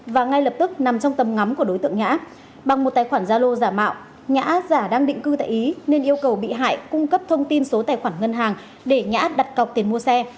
và ngay lập tức nằm trong tầm ngắm của đối tượng nhã bằng một tài khoản gia lô giả mạo nhã giả đang định cư tại ý nên yêu cầu bị hại cung cấp thông tin số tài khoản ngân hàng để nhã đặt cọc tiền mua xe